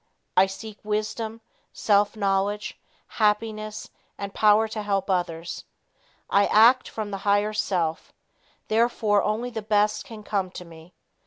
I seek wisdom, self knowledge, happiness and power to help others. I act from the higher self, therefore only the best can come to me.